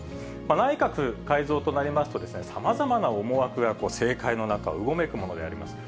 内閣改造となりますと、さまざまな思惑が政界の中をうごめくものであります。